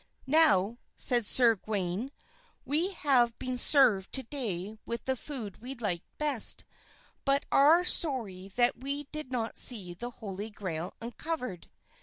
"Now," said Sir Gawain, "we have been served to day with the food we liked best, but are sorry that we did not see the Holy Grail uncovered.